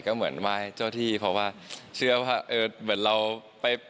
ก็เหมือนว่าวห้าโจธรีเพราะว่าเชื้อประเอิร์ตเหมือนเราไป